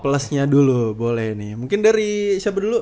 plusnya dulu boleh nih mungkin dari siapa dulu